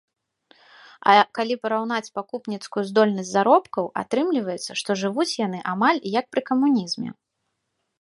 А калі параўнаць пакупніцкую здольнасць заробкаў, атрымліваецца, што жывуць яны амаль як пры камунізме.